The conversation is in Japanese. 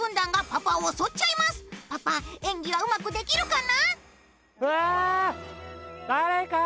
パパ演技はうまくできるかな？